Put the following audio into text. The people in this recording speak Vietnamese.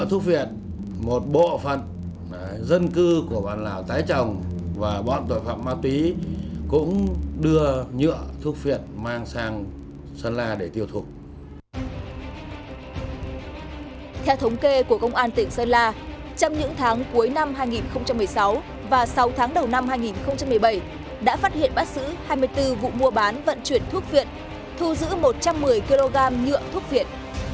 theo thống kê của công an tỉnh sơn la trong những tháng cuối năm hai nghìn một mươi sáu và sáu tháng đầu năm hai nghìn một mươi bảy đã phát hiện bắt giữ hai mươi bốn vụ mua bán vận chuyển thuốc viện thu giữ một trăm một mươi kg nhựa thuốc viện